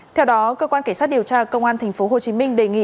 theo đó cơ quan cảnh sát điều tra công an tp hcm đề nghị